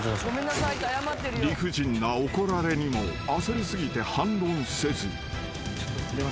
［理不尽な怒られにも焦り過ぎて反論せず］